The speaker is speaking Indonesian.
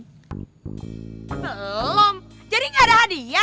belum jadi gak ada hadiah